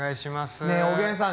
ねえおげんさん